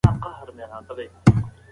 ایا د ناول پای ستاسو لپاره د خوښۍ وړ و؟